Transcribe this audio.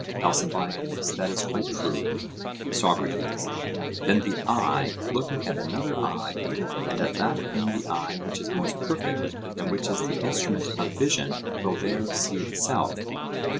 ALCIBIADES: That is quite true. SOCRATES: Then the eye, looking at another eye, and at that in the eye which is most perfect, and which is the instrument of vision, will there see itself?